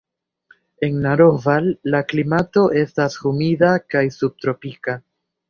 En Naroval la klimato estas humida kaj subtropika.